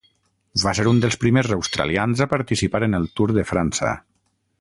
Va ser un dels primers australians a participar en el Tour de França.